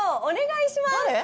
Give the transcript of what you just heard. お願いします。